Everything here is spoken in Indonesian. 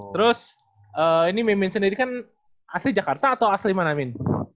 terus ini mimin sendiri kan asli jakarta atau asli mana mimin